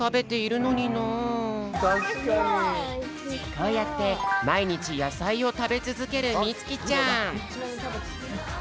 こうやってまいにちやさいをたべつづけるみつきちゃん。